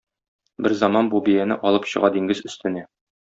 Берзаман бу бияне алып чыга диңгез өстенә.